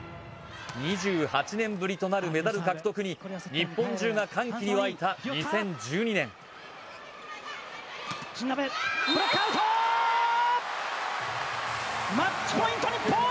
２８年ぶりとなるメダル獲得に日本中が歓喜に沸いた２０１２年ブロックアウトー！